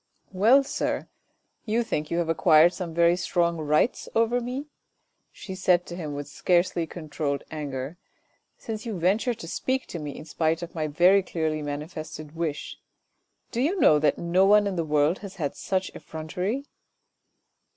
" Well, sir, you think you have acquired some very strong rights over me ?" she said to him with scarcely controlled anger, " since you venture to speak to me, in spite of my very clearly manifested wish ? Do you know that no one in the world has had such effrontery